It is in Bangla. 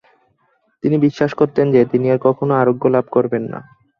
তিনি বিশ্বাস করতেন যে, তিনি আর কখনো আরোগ্য লাভ করবেন না।